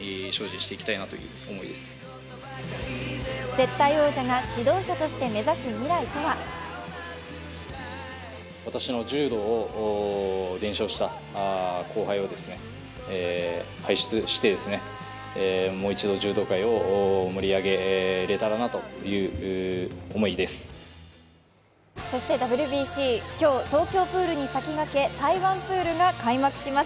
絶対王者が指導者として目指す未来とはそしてＷＢＣ、今日東京プールに先駆けて台湾プールが開幕します。